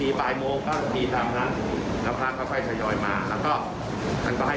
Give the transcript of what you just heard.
ไม่ว่าจะเป็นหลีกรรมม้าก็น่าจะทำประโยชน์ได้